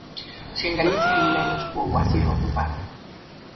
Si en Galicia hai menos poboación ocupada.